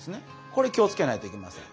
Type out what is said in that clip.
これ気を付けないといけません。